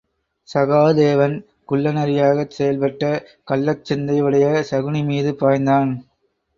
சகாதேவன் குள்ள நரியாகச் செயல்பட்ட கள்ளச்சிந்தை உடைய சகுனி மீது பாய்ந்தான்.